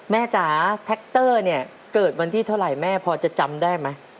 จ๋าแท็กเตอร์เนี่ยเกิดวันที่เท่าไหร่แม่พอจะจำได้ไหม